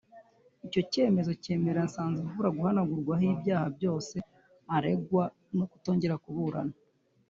Icyo cyemezo cyemerera Nsanzimfura guhanagurwaho ibyaha byose aregwa no kutongera kuburana